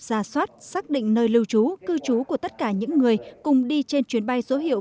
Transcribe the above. ra soát xác định nơi lưu trú cư trú của tất cả những người cùng đi trên chuyến bay số hiệu